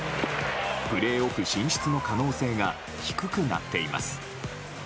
プレーオフ進出の可能性が低くなっています。